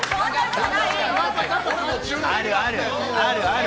あるある！